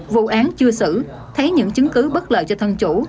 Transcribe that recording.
vụ án chưa xử thấy những chứng cứ bất lợi cho thân chủ